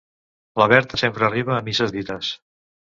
La Berta sempre arriba a misses dites.